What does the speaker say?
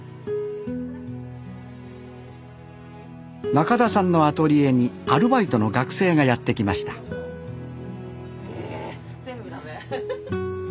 なかださんのアトリエにアルバイトの学生がやって来ましたえ全部駄目？